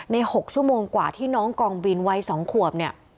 ๖ชั่วโมงกว่าที่น้องกองบินวัย๒ขวบเนี่ย